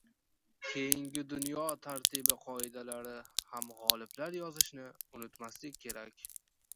Keyingi dunyo tartibi qoidalarini ham gʻoliblar yozishini unutmaslik kerak.